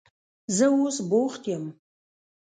زه اوس بوخت یم.